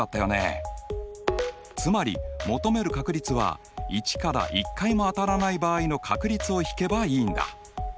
つまり求める確率は１から１回も当たらない場合の確率を引けばいいんだ。